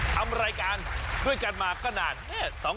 ทำรายการด้วยกันมาก็นาน